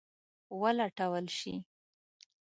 ولټول شي.